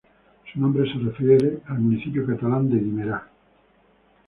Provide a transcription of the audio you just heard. Su nombre se refiere al municipio catalán de Guimerá.